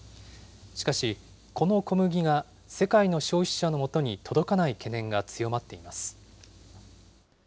しかし、この小麦が世界の消費者のもとに届かない懸念が強まっています。